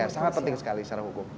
sangat penting sekali secara hukum